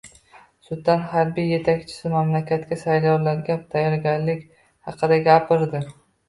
Sudan harbiy yetakchisi mamlakatdagi saylovlarga tayyorgarlik haqida gapirdi